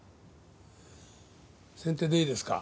先手でいいですか？